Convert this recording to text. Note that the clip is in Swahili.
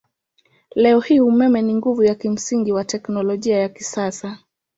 Leo hii umeme ni nguvu ya kimsingi wa teknolojia ya kisasa.